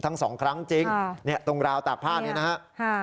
ทั้งสองครั้งจริงตรงราวตากพลาดนี้นะครับ